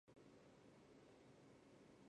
台湾西南沿海的沙岸有养殖文蛤。